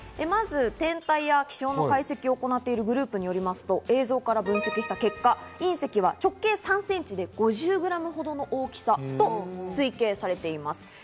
まず、天体や気象の解析を行っているグループによりますと映像から分析した結果、隕石は直径３センチで５０グラムほどの大きさと推計されています。